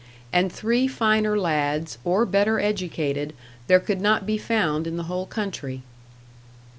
And three finer lads, or better educated, there could not be found in the whole country.